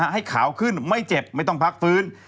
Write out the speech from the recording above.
ให้ขาวขึ้นไม่เจ็บไม่ต้องพักฟื้น